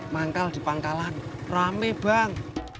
manggal di pangkalan rame bang